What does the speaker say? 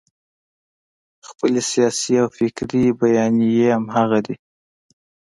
خپلې سیاسي او فکري بیانیې همغه دي.